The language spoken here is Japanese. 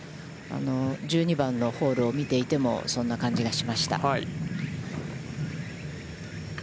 １２番のホールを見ていても、そんな感じがしました。